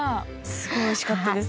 すごいおいしかったです。